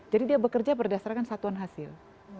jadi dia bekerja berdasarkan satuan hasil